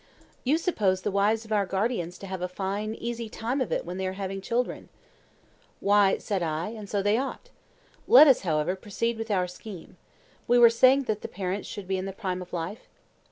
You suppose the wives of our guardians to have a fine easy time of it when they are having children. Why, said I, and so they ought. Let us, however, proceed with our scheme. We were saying that the parents should be in the prime of life?